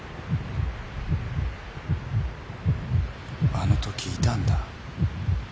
あのときいたんだ！